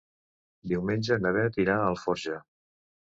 Diumenge na Bet irà a Algorfa.